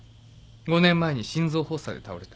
５年前に心臓発作で倒れた。